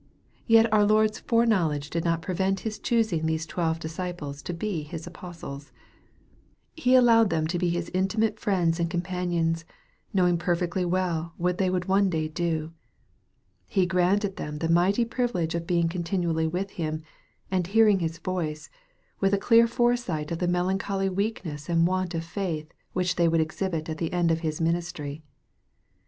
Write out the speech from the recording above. Yet our Lord's fore knowledge did not prevent His choosing these twelve disciples to be His apostles. He allowed them to be His intimate friends and com panions, knowing perfectly well what they would one day do. He granted them the mighty privilege of being continually with Him, and hearing His voice, with a clear foresight of the melancholy weakness and want of faith which they would exhibit at the end of His minis try.